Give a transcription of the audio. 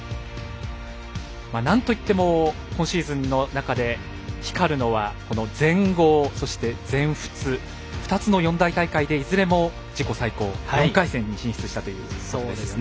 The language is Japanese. なんといっても今シーズンの中で光るのは全豪、そして全仏２つの四大大会でいずれも自己最高４回戦に進出したということですよね。